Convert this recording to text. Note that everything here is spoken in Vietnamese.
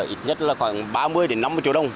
ít nhất khoảng ba mươi năm mươi triệu đồng